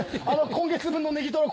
今月分のネギトロ